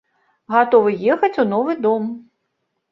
Гатовы ехаць у новы дом.